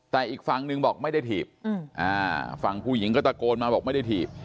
แต่อีกฝั่งหนึ่งบอกไม่ได้ถีบฝั่งผู้หญิงก็ตะโกนมาบอกไม่ได้ถีบ